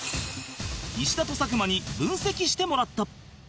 石田と佐久間に分析してもらった